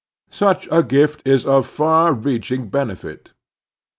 Such a gift is of far reaching bene fit.